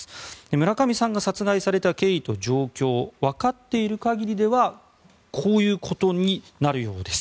村上さんが殺害された経緯と状況わかっている限りではこういうことになるようです。